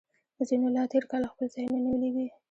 ځینو لا تیر کال خپل ځایونه نیولي وي